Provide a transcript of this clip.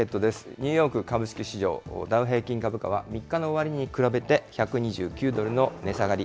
ニューヨーク株式市場、ダウ平均株価は、３日の終わりに比べて１２９ドルの値下がり。